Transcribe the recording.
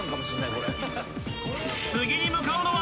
これ次に向かうのは？